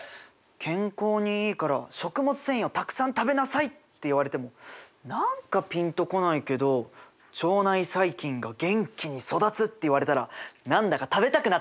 「健康にいいから食物繊維をたくさん食べなさい」って言われても何かピンと来ないけど「腸内細菌が元気に育つ」って言われたらなんだか食べたくなってくるね。